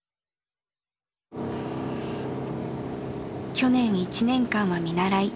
去年１年間は見習い。